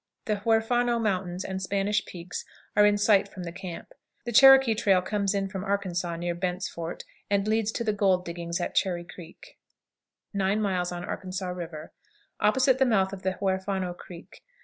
The Huerfano Mountains and Spanish Peaks are in sight from the camp. The "Cherokee Trail" comes in from Arkansas near Bent's Fort, and leads to the gold diggings at Cherry Creek. 9. Arkansas River. Opposite the mouth of the Huerfano Creek.